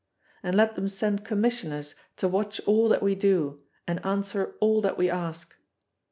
And let them send commissioners to watch all that we do and answer all that we ask.